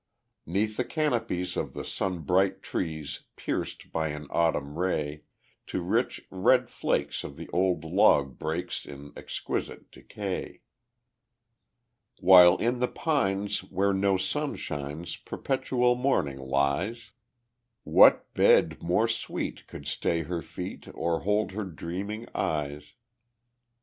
'Neath the canopies of the sunbright trees Pierced by an Autumn ray, To rich red flakes the old log breaks In exquisite decay. While in the pines where no sun shines Perpetual morning lies. What bed more sweet could stay her feet, Or hold her dreaming eyes?